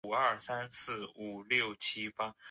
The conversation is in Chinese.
德斯佩塔尔是德国下萨克森州的一个市镇。